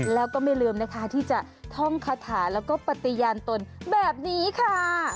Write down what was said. แล้วก็ไม่ลืมนะคะที่จะท่องคาถาแล้วก็ปฏิญาณตนแบบนี้ค่ะ